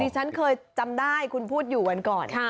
ฉันเคยจำได้คุณพูดอยู่วันก่อน